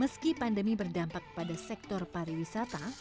meski pandemi berdampak pada sektor pariwisata